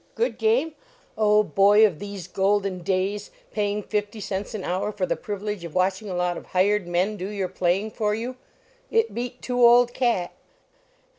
Good game? Oh, boy of these golden days, paying fifty cents an hour for the privilege of watching a lot of hired men do your playing for you it beat two old cat."